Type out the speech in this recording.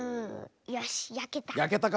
よしやけた。